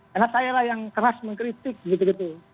karena saya lah yang keras mengkritik gitu gitu